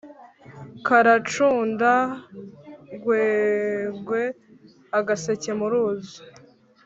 Karacunda ngwegwe-Agaseke mu ruzi.